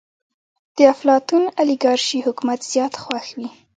د افلاطون اليګارشي حکومت زيات خوښ وي.